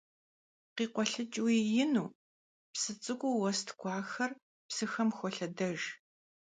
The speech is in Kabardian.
Khikhuelhıç'ıu yinu, psı ts'ık'uu vues tk'ujjaxer psıxem xolhedejj.